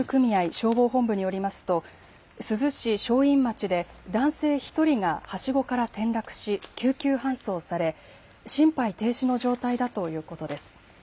消防本部によりますと珠洲市正院町で男性１人がはしごから転落し救急搬送され心肺停止の状態だということです。